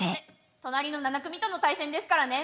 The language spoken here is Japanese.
隣の７組との対戦ですからね。